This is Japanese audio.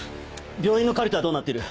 病院のカルテはどうなってる？